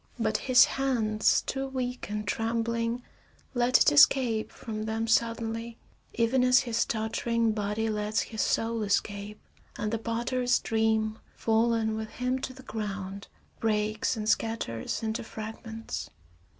But his hands, too weak and trembling, let it escape from them suddenly, even as his tottering body lets his soul escape and the potter's dream, fallen with him to the ground, breaks and scatters into fragments.